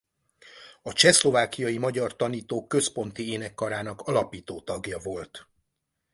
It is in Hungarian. A Csehszlovákiai Magyar Tanítók Központi Énekkarának alapító tagja volt.